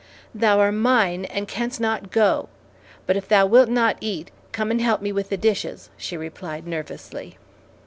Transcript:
"Thou are mine, and canst not go; but if thou wilt not eat, come and help me with the dishes," she replied nervously.